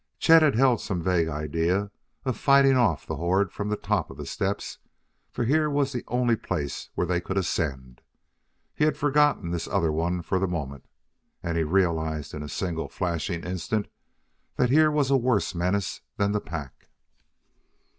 Chet had held some vague idea of fighting off the horde from the top of the steps, for here was the only place where they could ascend. He had forgotten this other one for the moment, and he realized in a single flashing instant that here was a worse menace than the pack.